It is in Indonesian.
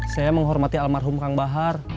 saya menghormati almarhum kang bahar